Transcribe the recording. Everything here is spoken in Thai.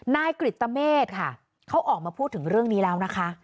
นายกริตเมฆค่ะเขาออกมาพูดถึงเรื่องนี้แล้วนะคะ